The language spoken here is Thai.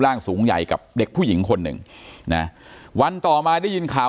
สูงใหญ่กับเด็กผู้หญิงคนหนึ่งนะวันต่อมาได้ยินข่าว